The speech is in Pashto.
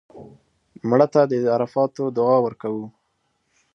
مړه ته د عرفاتو دعا ورکوو